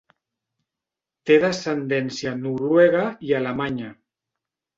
Té descendència noruega i alemanya.